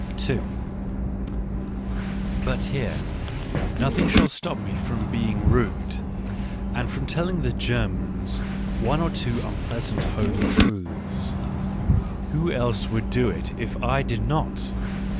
But here nothing shall stop me from being rude, and from telling the Germans one or two unpleasant home truths : who else would do it if I did not